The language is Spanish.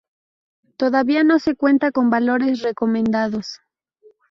Todavía no se cuenta con valores recomendados.